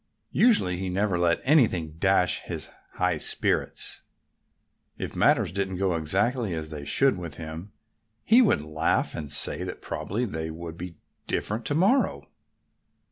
Usually he never let anything dash his high spirits. If matters didn't go exactly as they should with him he would laugh and say that probably they would be different to morrow.